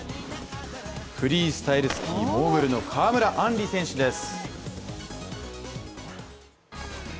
フリースタイルスキーモーグルの川村あんり選手です。